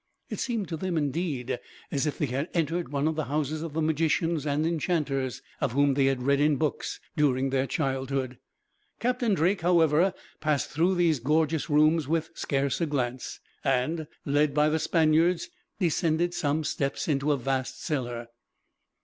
It seemed to them, indeed, as if they had entered one of the houses of the magicians and enchanters, of whom they had read in books during their childhood. Captain Drake, however, passed through these gorgeous rooms with scarce a glance and, led by the Spaniards, descended some steps into a vast cellar.